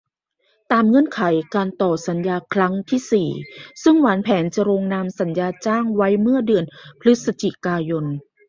ตามเงื่อนไขการต่อสัญญาครั้งที่ สี่ ซึ่งวางแผนจะลงนามสัญญาจ้างไว้เมื่อเดือนพฤศจิกายน